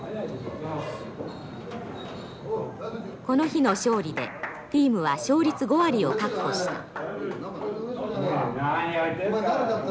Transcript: この日の勝利でチームは勝率５割を確保した。